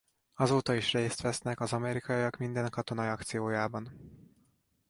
Azóta is részt vesznek az amerikaiak minden katonai akciójában.